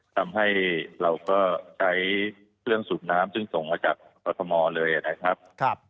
ทำให้เราก็ใช้เครื่องสูบน้ำซึ่งส่งมาจากกรทมเลยนะครับ